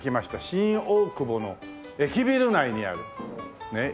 新大久保の駅ビル内にあるねえ